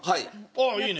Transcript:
あっいいね。